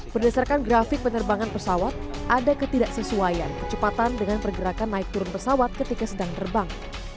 berdasarkan grafik penerbangan pesawat ada ketidaksesuaian kecepatan dengan pergerakan naik turun pesawat ketika sedang terbang